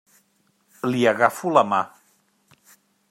Li agafo la mà.